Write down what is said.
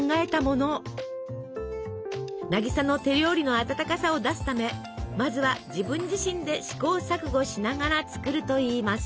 渚の手料理の温かさを出すためまずは自分自身で試行錯誤しながら作るといいます。